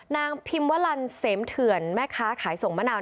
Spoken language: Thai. นางพิมวลันเสมเถื่อนแม่ค้าขายส่งมะนาว